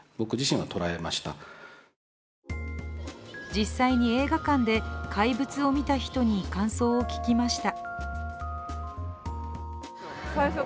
実際に映画館で「怪物」を見た人に感想を聞きました。